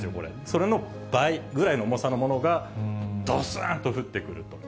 それの倍ぐらいの重さのものが、どすんと降ってくると。